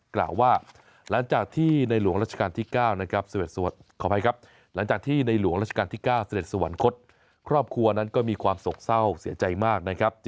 กล่าวว่าหลังจากที่ในหลวงราชการที่๙แสดดสวรรค์คลอบครัวนั้นก็มีความสกเศร้าเสียใจมากนะครับ